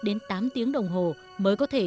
đến tám tiếng đồng hồ mới có thể